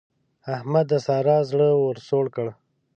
احمد د سارا زړه ور سوړ کړ.